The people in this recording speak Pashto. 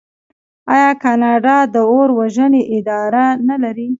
آیا کاناډا د اور وژنې اداره نلري؟